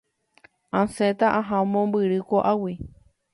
Asẽta aha mombyry ko'águi.